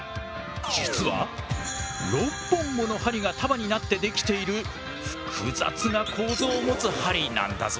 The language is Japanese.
実は６本もの針が束になってできている複雑な構造を持つ針なんだぞ。